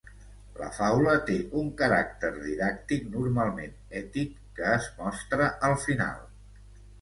La faula té un caràcter didàctic normalment ètic que es mostra al final.